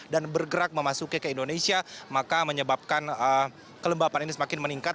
bergerak memasuki ke indonesia maka menyebabkan kelembapan ini semakin meningkat